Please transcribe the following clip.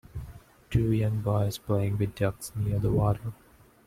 Two young boys playing with ducks near the water.